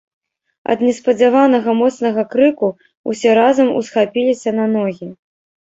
Ад неспадзяванага моцнага крыку ўсе разам усхапіліся на ногі.